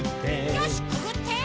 よしくぐって！